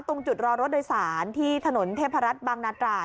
ตรงจุดรอรถโดยสารที่ถนนเทพรัฐบางนาตรา